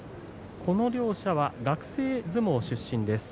この両力士は学生相撲出身です。